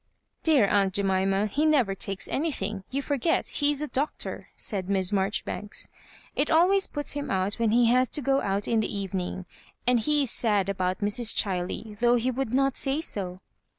" Dear aunt Jemima, he never takes anytliing. You forget he is a doctor," said Miss Maijori banks. "It always puts him out when he has to go out m the evening; and he is sad about Mrs. CJhiley, though he would not say so."